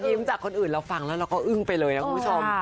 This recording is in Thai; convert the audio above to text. จากคนอื่นเราฟังแล้วเราก็อึ้งไปเลยนะคุณผู้ชม